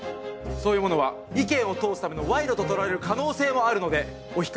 そういうものは意見を通すための賄賂と取られる可能性もあるのでお控えください。